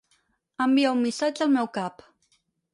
Envia un missatge al meu cap.